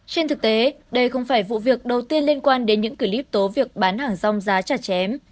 trên thực tế đây không phải vụ việc đầu tiên liên quan đến những clip tố việc bán hàng rong giá trả chém